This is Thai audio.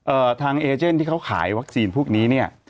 ทางเอเจนที่เขาขายวัคซีนพวกนี้เนี่ย